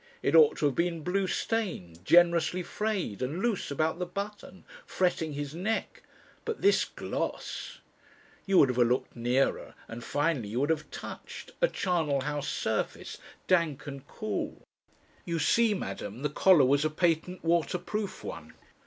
"It ought to have been blue stained, generously frayed, and loose about the button, fretting his neck. But this gloss ..." You would have looked nearer, and finally you would have touched a charnel house surface, dank and cool! You see, Madam, the collar was a patent waterproof one.